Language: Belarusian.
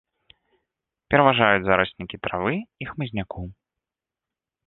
Пераважаюць зараснікі травы і хмызняку.